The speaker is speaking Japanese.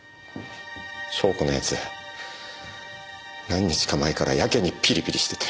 何日か前からやけにピリピリしてて。